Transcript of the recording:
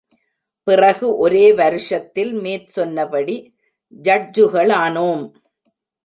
பிறகு ஒரே வருஷத்தில் மேற்சொன்னபடி ஜட்ஜுகளானோம்!